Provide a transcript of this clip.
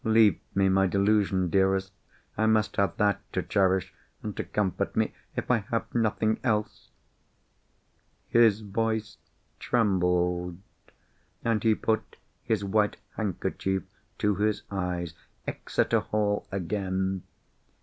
Leave me my delusion, dearest! I must have that to cherish, and to comfort me, if I have nothing else!" His voice trembled, and he put his white handkerchief to his eyes. Exeter Hall again!